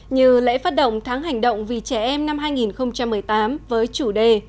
như lễ phát động tháng hành động vì trẻ em năm hai nghìn một mươi tám với chủ đề